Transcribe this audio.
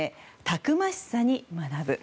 たくましさに学ぶ。